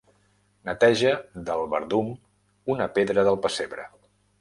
Neteja del verdum una pedra del pessebre.